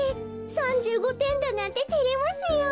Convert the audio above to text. ３５てんだなんててれますよ。